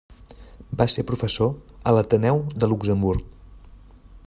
Va ser professor a l'Ateneu de Luxemburg.